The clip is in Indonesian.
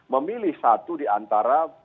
memilih satu diantara